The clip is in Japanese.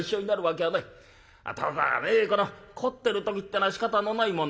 ただねこの凝ってる時ってのはしかたのないもんだ。